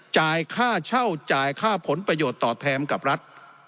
จ่ายค่าเช่าจ่ายค่าผลประโยชน์ตอบแทนกับรัฐ